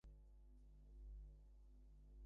নাম কী তোমার?